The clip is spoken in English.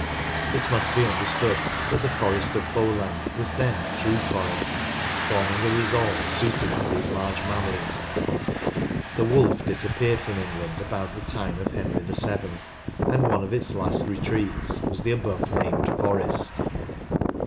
It must be understood that the Forest of Bowland was then true forest, forming a resort suited to these large mammals. The wolf disappeared from England about the time of 7Q NORTH LANCASHIRE Henry VII, and one of its last retreats was the above named forest.